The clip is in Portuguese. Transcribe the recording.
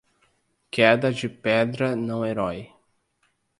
Queda de pedra não-herói